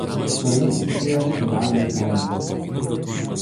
Šalia įsikūręs Šilalės kaimas.